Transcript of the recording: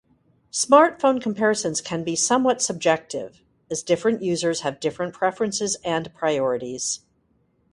Smartphone comparisons can be somewhat subjective, as different users have different preferences and priorities.